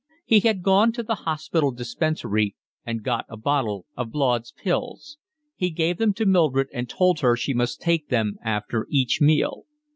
He had gone to the hospital dispensary and got a bottle of Blaud's Pills, He gave them to Mildred and told her she must take them after each meal.